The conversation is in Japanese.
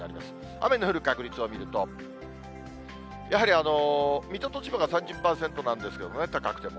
雨の降る確率を見ると、やはり水戸と千葉が３０％なんですけれどもね、高くても。